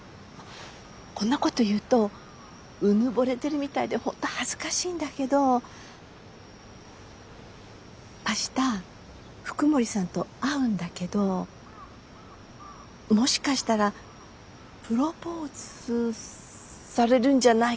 こんなこと言うとうぬぼれてるみたいで本当恥ずかしいんだけど明日福森さんと会うんだけどもしかしたらプロポーズされるんじゃないかと思ってて。